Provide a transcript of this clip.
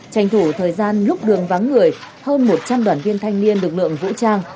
tranh thủ thời gian lúc đường vắng người hơn một trăm linh đoàn viên thanh niên lực lượng vũ trang